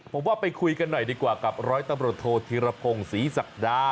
ผมว่าไปคุยกันหน่อยดีกว่ากับร้อยตำรวจโทษธิรพงศรีศักดา